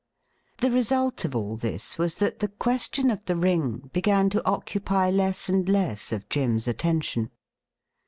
The result of all this was that the question of the ring began to occupy less and less of Jim's attention.